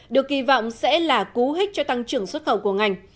được kỳ vọng sẽ là cú hích cho tăng trưởng xuất khẩu của ngành